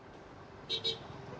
selamat siang anissa